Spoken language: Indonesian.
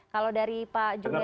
kalau dari pak juryari